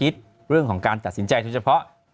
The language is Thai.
เต้นใหญ่เลย